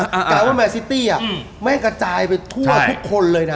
กลายว่าแมนซิตี้แม่งกระจายไปทั่วทุกคนเลยนะ